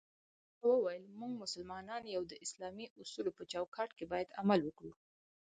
پاچا وويل: موږ مسلمانان يو د اسلامي اصولو په چوکات کې بايد عمل وکړو.